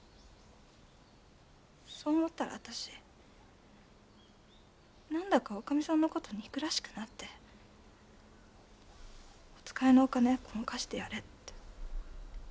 そう思ったら私なんだか女将さんの事憎らしくなってお使いのお金ごまかしてやれって。